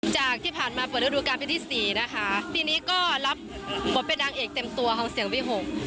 จากที่ผ่านมาเปิดฤดูการปีที่สี่นะคะปีนี้ก็รับบทเป็นนางเอกเต็มตัวของเสียงพี่หก